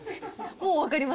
もう分かります？